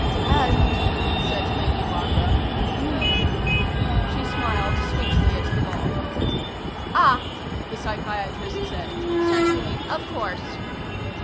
"And," said Lady Barbara, "me." She smiled sweetly at them all. "Ah," the psychiatrist said. "Certainly. Of course."